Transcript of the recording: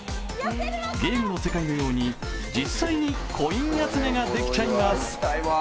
ゲームの世界のように実際にコイン集めができちゃいます。